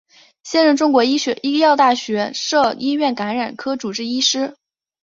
现任中国医药大学附设医院感染科主治医师。